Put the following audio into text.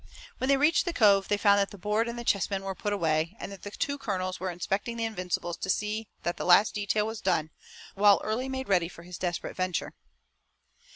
When they reached the cove they found that the board and the chess men were put away, and the two colonels were inspecting the Invincibles to see that the last detail was done, while Early made ready for his desperate venture.